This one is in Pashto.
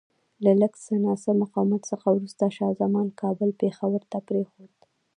له لږ څه ناڅه مقاومت څخه وروسته شاه زمان کابل پېښور ته پرېښود.